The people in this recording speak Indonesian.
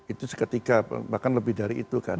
itu seketika bahkan lebih dari itu kan